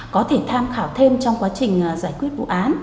có thể tham khảo thêm trong quá trình giải quyết vụ án